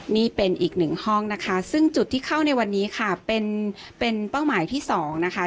นี่เป็นอีกหนึ่งห้องนะคะซึ่งจุดที่เข้าในวันนี้ค่ะเป็นเป็นเป้าหมายที่สองนะคะ